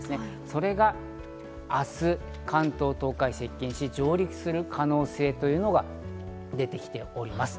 それが明日、関東、東海地域に接近し、上陸する可能性というのが出てきております。